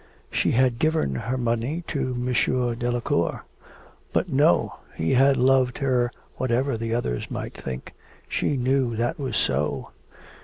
She had given her money to M. Delacour.... But no, he had loved her whatever the others might think, she knew that was so....